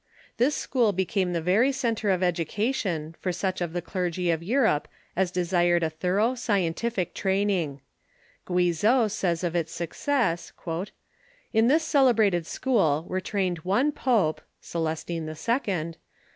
This school became the very centre of education for such of the clergy of Europe as desired a thorough scientific training. Guizot says of its success :" In this celebrated school were trained one pope ABELARD AND HIS FORTUNES 183^ (Celestine II.)